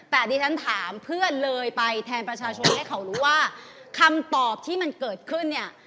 แต่ดิฉันถามเพื่อเลยไปแทนประชาชนให้เขารู้ว่าคำตอบที่มันเกิดขึ้นเนี่ย